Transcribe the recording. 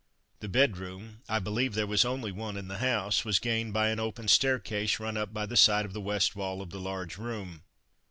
The bedroom I believe there was only one in the house was gained by an open staircase, run up by the side of the west wall of the large room.